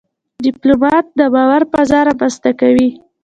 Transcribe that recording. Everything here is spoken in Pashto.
ډيپلومات د باور فضا رامنځته کوي.